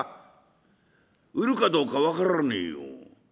売るかどうか分からねえよ。